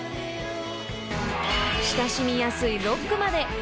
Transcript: ［親しみやすいロックまで］